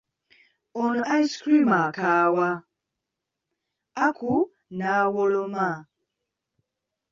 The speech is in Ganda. Ono ice cream akaawa, Aku n'awoloma.